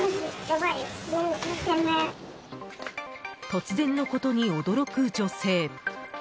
突然のことに驚く女性。